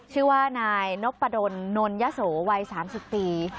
ชื่อว่านายนพดลนนยโสวัย๓๐ปี